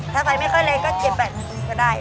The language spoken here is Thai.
ถ้าไฟไม่ค่อยเล็กก็เก็บแบบนี้ก็ได้